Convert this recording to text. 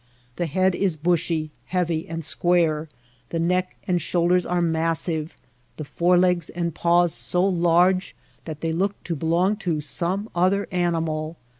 The head is bushy, heavy, and square, the neck and shoulders are massive, the forelegs and paws so large that they look to belong to some other an imal.